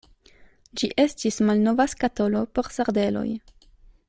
Ĝi estis malnova skatolo por sardeloj.